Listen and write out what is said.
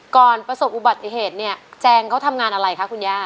ประสบอุบัติเหตุเนี่ยแจงเขาทำงานอะไรคะคุณย่า